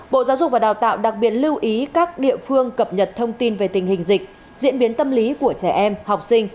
bộ giáo dục và đào tạo đặc biệt lưu ý các địa phương cập nhật thông tin về tình hình dịch diễn biến tâm lý của trẻ em học sinh